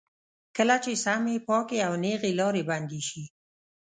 کله چې سمې، پاکې او نېغې لارې بندې شي.